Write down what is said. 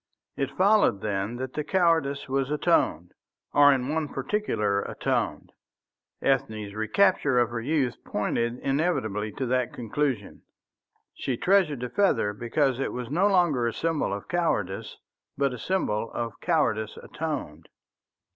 It followed, then, that the cowardice was atoned, or in one particular atoned. Ethne's recapture of her youth pointed inevitably to that conclusion. She treasured the feather because it was no longer a symbol of cowardice but a symbol of cowardice atoned.